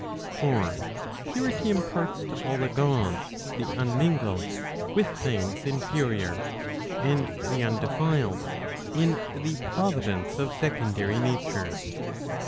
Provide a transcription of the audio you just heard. For purity imparts to all the Gods the unmingled with things inferior, and the undefiled in the providence of secondary natures.